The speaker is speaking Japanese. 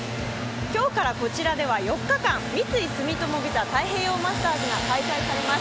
今日からこちらでは４日間、三井住友ＶＩＳＡ太平洋マスターズが開催されます。